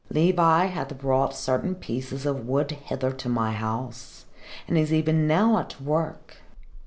Levi hath brought certain pieces of wood hither to my house, and is even now at work.